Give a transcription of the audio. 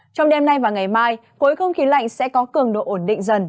trong đêm nay và ngày mai khối không khí lạnh sẽ có cường độ ổn định dần